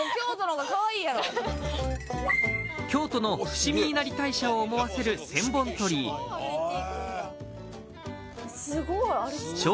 京都の伏見稲荷大社を思わせる１０００本鳥居小